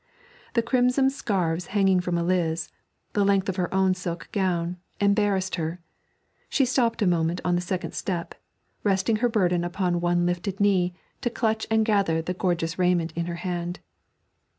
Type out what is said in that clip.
The crimson scarfs hanging from Eliz, the length of her own silk gown, embarrassed her; she stopped a moment on the second step, resting her burden upon one lifted knee to clutch and gather the gorgeous raiment in her hand.